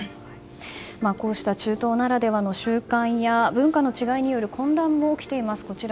こうした中東ならではの習慣や文化の違いによる混乱も起きています。